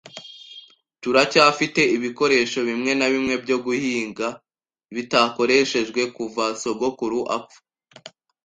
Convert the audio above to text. Turacyafite ibikoresho bimwe na bimwe byo guhinga bitakoreshejwe kuva sogokuru apfa.